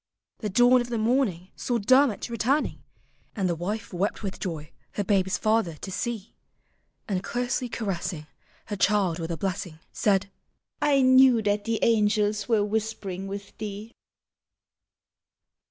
The dawn of the morning Saw Dermot returning. And the wife wept with joy her babe's father to And closely caressing Her child with a blessing. Said, " I knew that the angels were whispering with thee."